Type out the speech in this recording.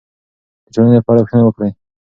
د ټولنې په اړه پوښتنې وکړئ.